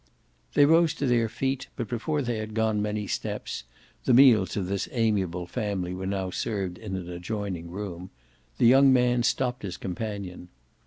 They rose to their feet, but before they had gone many steps the meals of this amiable family were now served in an adjoining room the young man stopped his companion.